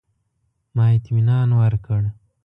ما اطمنان ورکړ.